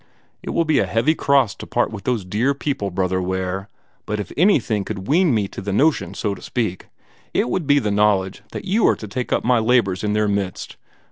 It will be a heavy cross to part with those dear people, Brother Ware, but if anything could wean me to the notion, so to speak, it would be the knowledge that you are to take up my labors in their midst.